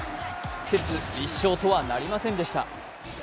説立証とはなりませんでした。